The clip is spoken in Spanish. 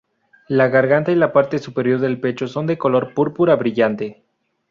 La garganta y la parte superior del pecho son de color púrpura brillante.